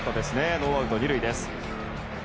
ノーアウト２塁です。